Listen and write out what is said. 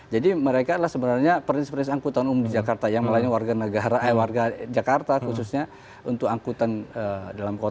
mereka adalah sebenarnya perintis perintis angkutan umum di jakarta yang melayani warga jakarta khususnya untuk angkutan dalam kota